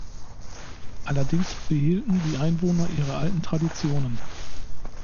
Allerdings behielten die Einwohner ihre alten Traditionen.